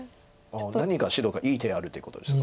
何か白がいい手あるっていうことですか